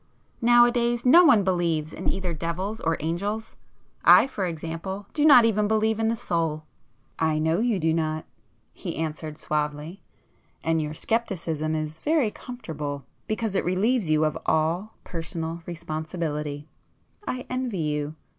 Nowadays no one believes in either devils or angels;—I, for example, do not even believe in the soul." "I know you do not"—he answered suavely—"And your scepticism is very comfortable because it relieves you of all personal responsibility. I envy you!